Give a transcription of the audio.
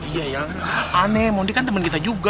iya ya aneh mondi kan temen kita juga